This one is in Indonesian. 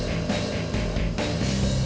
udah udah udah